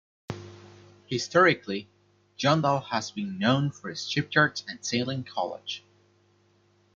Historically, Jondal has been known for its shipyards and sailing college.